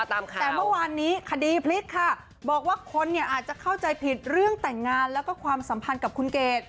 แต่เมื่อวานนี้คดีพลิกค่ะบอกว่าคนเนี่ยอาจจะเข้าใจผิดเรื่องแต่งงานแล้วก็ความสัมพันธ์กับคุณเกด